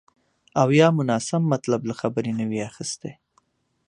او یا مو ناسم مطلب له خبرې نه وي اخیستی